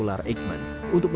jangan kematian rintaman